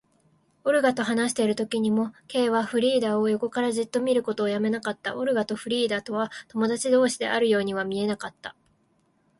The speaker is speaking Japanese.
オルガと話しているときにも、Ｋ はフリーダを横からじっと見ることをやめなかった。オルガとフリーダとは友だち同士であるようには見えなかった。